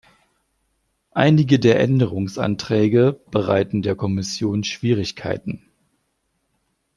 Einige der Änderungsanträge bereiten der Kommission Schwierigkeiten.